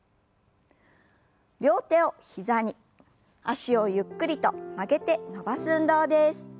両手を膝に脚をゆっくりと曲げて伸ばす運動です。